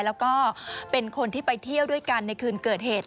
แล้วก็เป็นคนที่ไปเที่ยวด้วยกันในคืนเกิดเหตุ